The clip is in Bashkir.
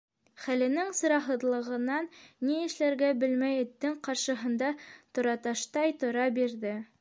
Хәленең сараһыҙлығынан ни эшләргә белмәй эттең ҡаршыһында тораташтай тора бирҙе.